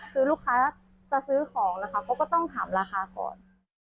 คือลูกค้าจะซื้อของนะคะก็ต้องถามราคาก่อน